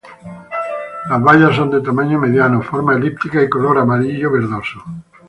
Las bayas son de tamaño mediano, forma elíptica y color amarillo-verdoso.